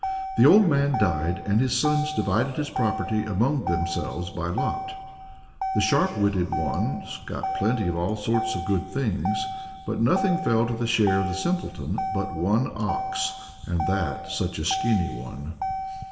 The old man died and his sons divided his property among themselves by lot. The sharp witted ones got plenty of all sorts of good things, but nothing fell to the share of the Simpleton but one ox and that such a skinny one!